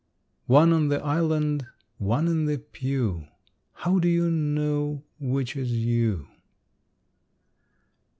One on the island, one in the pew How do you know which is you?